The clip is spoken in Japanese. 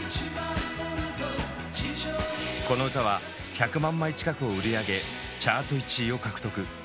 この歌は１００万枚近くを売り上げチャート１位を獲得。